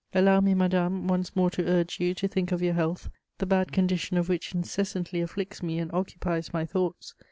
Allow me, madame, once more to urge you to think of your health, the bad condition of which incessantly afflicts me and occupies my thoughts.